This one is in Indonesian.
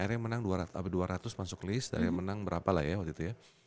akhirnya menang dua ratus masuk list saya menang berapa lah ya waktu itu ya